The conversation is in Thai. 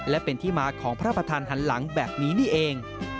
และเป็นที่มาของพระประธานหันหลังแบบนี้นี่เอง